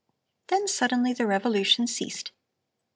"Then suddenly the revolution ceased.